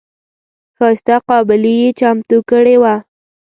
ښایسته قابلي یې چمتو کړې وه.